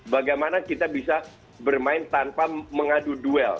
bagaimana kita bisa bermain tanpa mengadu duel